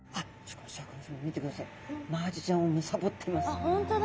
あ本当だ。